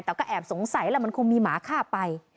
แต่ก็แอบสงสัยแล้วมันคงมีหมาฆ่าไป